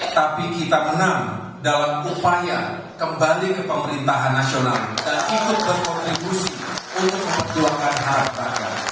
tapi kita menang dalam upaya kembali ke pemerintahan nasional dan ikut berkontribusi untuk memperjuangkan harapan rakyat